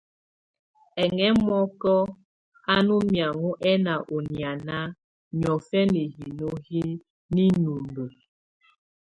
Ɛŋɛmɔkɛ a nɔ́ miahɔ ɛna ɔ niana, niɔfɛnɛ hino hɛ ninumbǝ.